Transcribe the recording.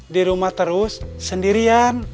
dirumah terus sendirian